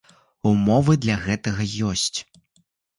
Умовы для гэтага ёсць.